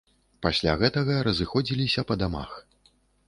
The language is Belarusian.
Пасля гэтага разыходзіліся па дамах.